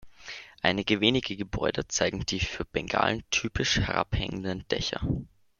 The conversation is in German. Einige wenige Gebäude zeigen die für Bengalen typischen herabhängenden Dächer.